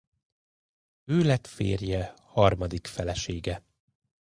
Ő lett férje harmadik felesége.